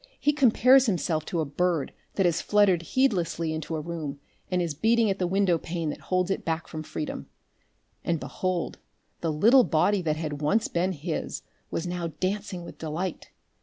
He compares himself to a bird that has fluttered heedlessly into a room and is beating at the window pane that holds it back from freedom. And behold! the little body that had once been his was now dancing with delight.